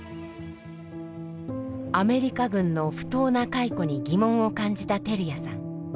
アメリカ軍の不当な解雇に疑問を感じた照屋さん。